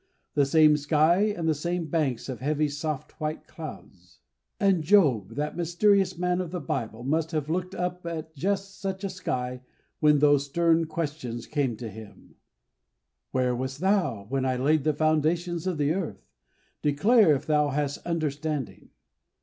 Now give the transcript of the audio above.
The same sky and the same banks of heavy soft white clouds. And Job, that mysterious man of the Bible, must have looked up at just such a sky when those stern questions came to him: "Where wast thou when I laid the foundations of the earth? Declare if thou hast understanding.